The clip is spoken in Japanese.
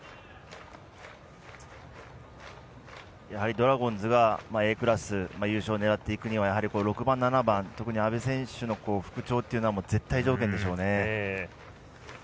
ドラゴンズがＡクラス優勝狙っていくには６番、７番特に阿部選手の復調というのは絶対条件でしょうね。